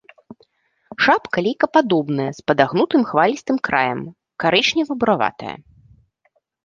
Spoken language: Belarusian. Шапка лейкападобная з падагнутым хвалістым краем, карычнева-бураватая.